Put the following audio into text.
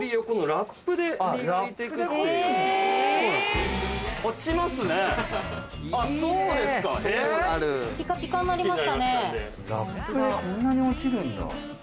ラップでこんなに落ちるんだ。